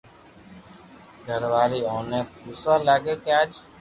گھر واري اوني پوسوا لاگي ڪي اج